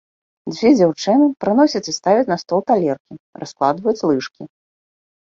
Дзве дзяўчыны прыносяць і ставяць на стол талеркі, раскладваюць лыжкі.